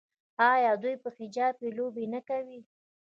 آیا دوی په حجاب کې لوبې نه کوي؟